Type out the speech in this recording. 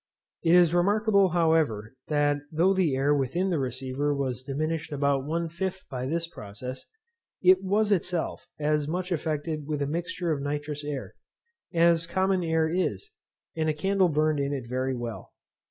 It is remarkable, however, that though the air within the receiver was diminished about one fifth by this process, it was itself as much affected with a mixture of nitrous air, as common air is, and a candle burned in it very well.